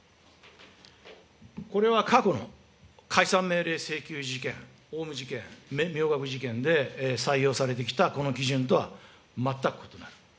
これは過去の解散命令請求事件、オウム事件、明覚寺事件で採用されてきたこの基準とは、全く異なる。